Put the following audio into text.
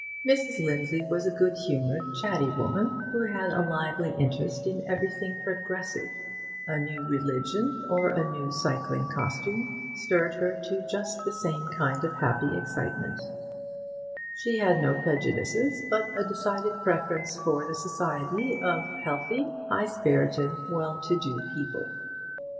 Mrs. Lindley was a good humoured, chatty woman, who had a lively interest in everything 'progressive'; a new religion or a new cycling costume stirred her to just the same kind of happy excitement; she had no prejudices, but a decided preference for the society of healthy, high spirited, well to do people.